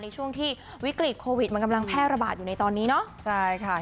ในช่วงที่วิกฤตโควิดมันกำลังแพร่ระบาดอยู่ในตอนนี้เนาะใช่ค่ะ